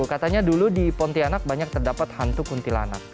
katanya dulu di pontianak banyak terdapat hantu kuntilanak